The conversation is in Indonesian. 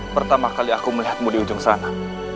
pertama kali aku melihatmu di ujung sana